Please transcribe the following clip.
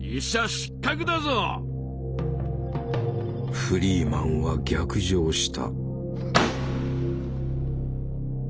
フリーマンは逆上した。